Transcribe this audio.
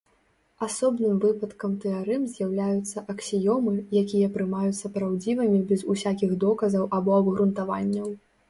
Асобным выпадкам тэарэм з'яўляюцца аксіёмы, якія прымаюцца праўдзівымі без усякіх доказаў або абгрунтаванняў.